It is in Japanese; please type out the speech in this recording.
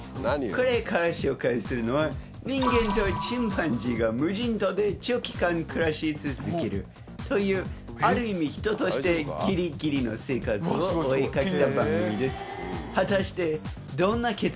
これから紹介するのは人間とチンパンジーが無人島で長期間暮らし続けるというある意味人としてギリギリの生活を追い掛けた番組です。